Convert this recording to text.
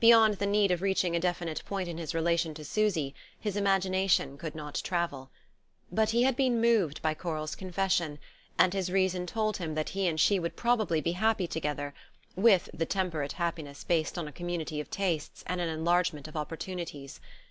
Beyond the need of reaching a definite point in his relation to Susy his imagination could not travel. But he had been moved by Coral's confession, and his reason told him that he and she would probably be happy together, with the temperate happiness based on a community of tastes and an enlargement of opportunities.